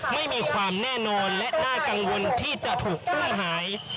ไม่มีความแน่นอนและน่ากังวลที่จะถูกอุ้มหาย